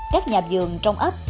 các nhà dường trong ấp